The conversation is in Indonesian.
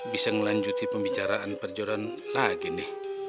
bisa ngelanjuti pembicaraan perjualan lagi nih